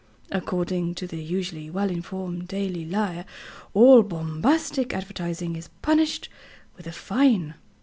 According to the usually well informed Daily Lyre, all 'bombastic' advertising is punished with a fine.